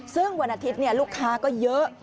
ซึ่งวันอาทิตย์ลูกค้าก็เยอะ